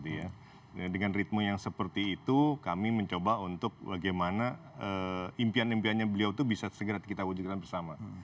dengan ritme yang seperti itu kami mencoba untuk bagaimana impian impiannya beliau itu bisa segera kita wujudkan bersama